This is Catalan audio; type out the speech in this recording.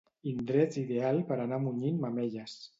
Indrets ideal per anar munyint mamelles.